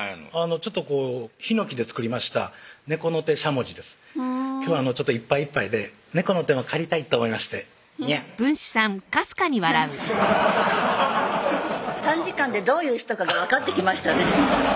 ちょっとこうヒノキで作りました猫の手しゃもじです今日いっぱいいっぱいで猫の手も借りたいと思いましてニャアヘッ短時間でどういう人かが分かってきましたね